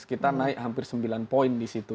kita naik hampir sembilan poin di situ